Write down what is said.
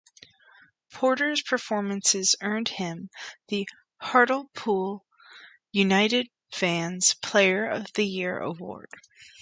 Porter's performances earned him the Hartlepool United's Fans' Player of the Year award.